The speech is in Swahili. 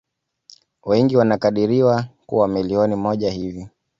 Wengi wanakadiriwa kuwa milioni moja hivi